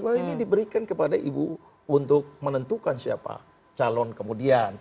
bahwa ini diberikan kepada ibu untuk menentukan siapa calon kemudian